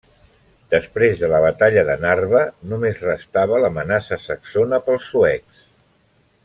Després de la batalla de Narva, només restava l'amenaça saxona pels suecs.